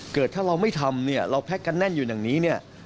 เกิดถ้าเราไม่ทำเนี่ยเราแพ็คกันแน่นอยู่อย่างนี้เนี่ย